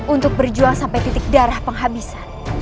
untuk berjuang sampai titik darah penghabisan